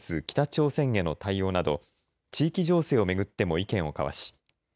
北朝鮮への対応など地域情勢をめぐっても意見を交わし